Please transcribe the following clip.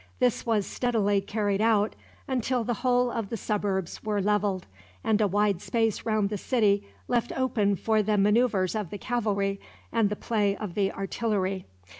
This was steadily carried out, until the whole of the suburbs were leveled, and a wide space round the city left open for the maneuvers of the cavalry and the play of the artillery.